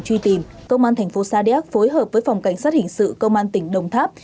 công an thành phố sa điếc phối hợp với phòng cảnh sát hình sự công an tỉnh đồng tháp